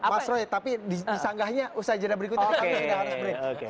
mas roy tapi disanggahnya usaha jenayah berikutnya tidak harus berikut